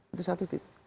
itu satu titik